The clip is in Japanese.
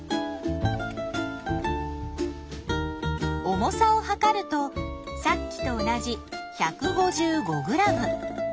重さをはかるとさっきと同じ１５５ｇ。